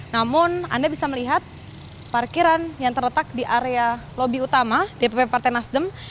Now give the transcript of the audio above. namun anda bisa melihat parkiran yang terletak di area lobi utama dpp partai nasdem